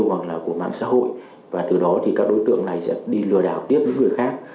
hoặc là của mạng xã hội và từ đó thì các đối tượng này sẽ đi lừa đảo tiếp với người khác